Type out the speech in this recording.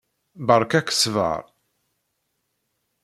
Beṛka-k ssbeṛ!